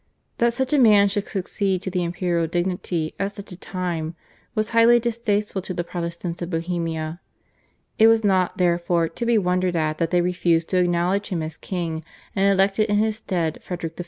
That such a man should succeed to the imperial dignity at such a time was highly distasteful to the Protestants of Bohemia. It was not, therefore, to be wondered at that they refused to acknowledge him as king, and elected in his stead Frederick V.